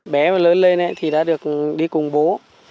bé mà lớn lên thì đã được đi cùng bố